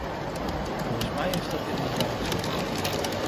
Volgens mij is dat inderdaad zo.